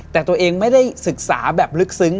แต่ตัวเองไม่ได้ศึกษาแบบลึกซึ้ง